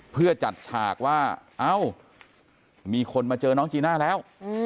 เพื่อจัดฉากว่าเอ้ามีคนมาเจอน้องจีน่าแล้ว